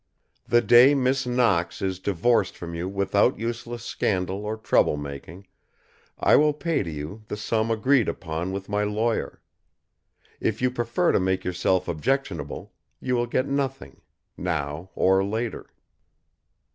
The day Miss Knox is divorced from you without useless scandal or trouble making, I will pay to you the sum agreed upon with my lawyer. If you prefer to make yourself objectionable, you will get nothing, now or later."